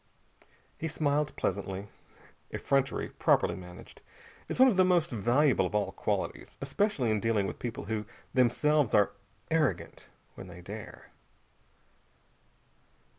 He smiled pleasantly. Effrontery, properly managed, is one of the most valuable of all qualities. Especially in dealing with people who themselves are arrogant when they dare.